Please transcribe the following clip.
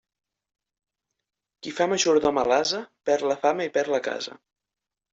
Qui fa majordom a l'ase, perd la fama i perd la casa.